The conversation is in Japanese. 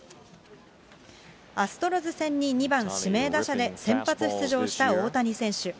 アストロズ戦に２番指名打者で先発出場した大谷選手。